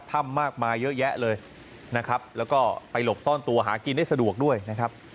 ถ้ำมากมายเยอะแยะเลยนะครับแล้วก็ไปหลบซ่อนตัวหากินได้สะดวกด้วยนะครับ